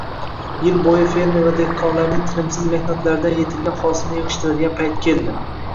Yil bo‘yi fermer va dehqonlarning tinimsiz mehnatlaridan yetilgan hosilni yig‘ishtiradigan payt keldi